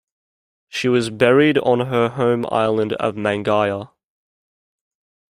She was buried on her home island of Mangaia.